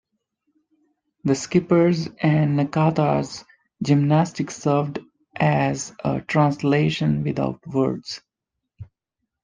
The skipper's and Nakata's gymnastics served as a translation without words.